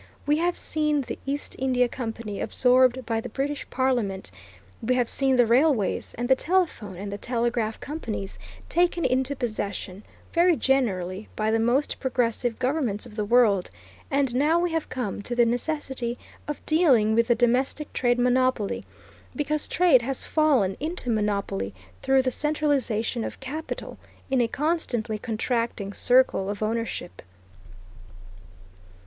We have seen the East India Company absorbed by the British Parliament; we have seen the railways, and the telephone and the telegraph companies, taken into possession, very generally, by the most progressive governments of the world; and now we have come to the necessity of dealing with the domestic trade monopoly, because trade has fallen into monopoly through the centralization of capital in a constantly contracting circle of ownership.